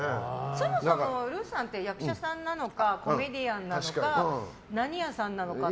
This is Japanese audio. そもそもルーさんって役者さんなのかコメディアンなのか何屋さんなのかって。